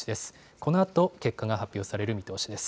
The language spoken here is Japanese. このあと、結果が発表される見通しです。